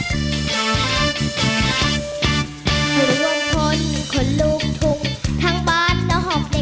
เดี๋ยวสงสัยของพี่มารถถ่ายใจหน่อยจะหมดล่ะ